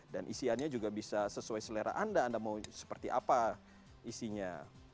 dan isiannya juga bisa sesuai selera anda anda mau seperti apa isinya